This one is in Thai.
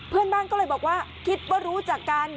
เพื่อนบ้านก็เลยบอกว่าคิดว่ารู้จักกัน